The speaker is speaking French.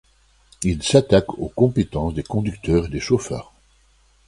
Il s'attaque aux compétences des conducteurs et des chauffeurs.